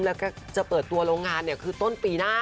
แล้วก็จะเปิดตัวโรงงานคือต้นปีหน้า